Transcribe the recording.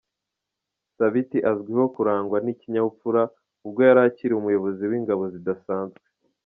Sabiti azwiho kurangwa n’ikinyabupfura, ubwo yari akiri umuyobozi w’ingabo zidasanzwe.